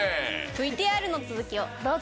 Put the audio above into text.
ＶＴＲの続きをどうぞ！